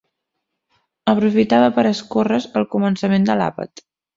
Aprofitava per escorre's el començament de l'àpat